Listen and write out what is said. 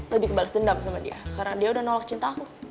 lebih kebalas dendam sama dia karena dia udah nolak cinta aku